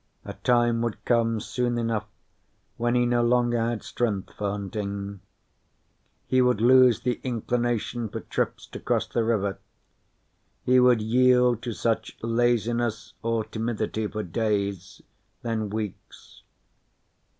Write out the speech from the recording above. A time would come soon enough when he no longer had strength for hunting. He would lose the inclination for trips to cross the river. He would yield to such laziness or timidity for days, then weeks.